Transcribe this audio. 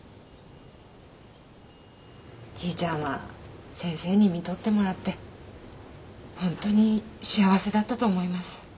じいちゃんは先生にみとってもらってホントに幸せだったと思います。